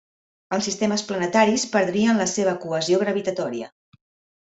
Els sistemes planetaris perdrien la seva cohesió gravitatòria.